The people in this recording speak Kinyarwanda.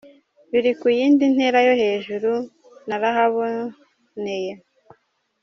biri ku yindi ntera yo hejuru, nanahaboneye.